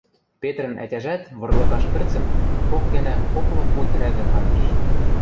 Петрӹн ӓтяжӓт вырлыкаш пӹрцӹм кок гӓнӓ коклы пуд рӓдӹ кандыш.